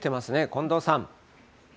近藤さん。